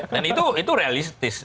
dan itu realistis di kita